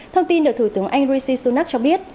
thông tin được thủ tướng anh rishi sunak cho biết